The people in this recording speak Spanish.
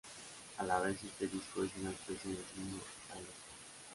A la vez este disco es una especie de guiño al Sgt.